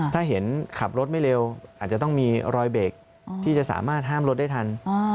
ถ้าเห็นขับรถไม่เร็วอาจจะต้องมีรอยเบรกที่จะสามารถห้ามรถได้ทัน